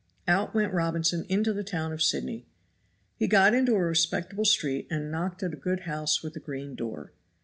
Out went Robinson into the town of Sydney. He got into a respectable street, and knocked at a good house with a green door.